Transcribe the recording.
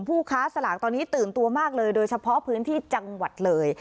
ผู้ค้าสลากตอนนี้ตื่นตัวมากเลยโดยเฉพาะพื้นที่จังหวัดเลย